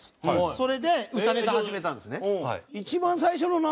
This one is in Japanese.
それで歌ネタ始めたんですね。